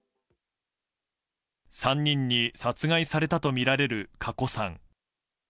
３人に殺害されたとみられる加古さん。